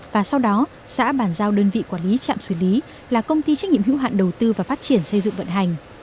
và sau đó xã bàn giao đơn vị quản lý chạm xử lý là công ty trách nhiệm hữu hạn đầu tư và phát triển xây dựng vận hành